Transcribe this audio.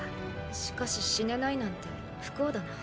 しかし死ねないなんて不幸だな。